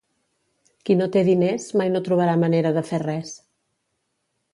Qui no té diners, mai no trobarà manera de fer res.